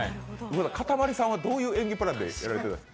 かたまりさんは、どういう演技プランでやられたんですか？